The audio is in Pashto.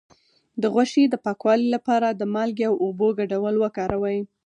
د غوښې د پاکوالي لپاره د مالګې او اوبو ګډول وکاروئ